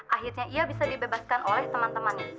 akhirnya ia bisa dibebaskan oleh teman temannya